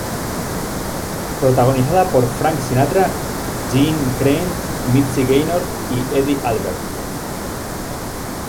Protagonizada por Frank Sinatra, Jeanne Crain, Mitzi Gaynor y Eddie Albert.